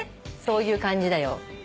そういう感じだよ。